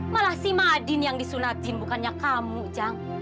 malah si madin yang disunat jin bukannya kamu jang